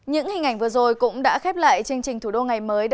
những hình ảnh vừa rồi cũng đã khép lại chương trình thủ đô ngày mới